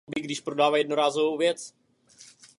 Uvedu pouze některé z nich.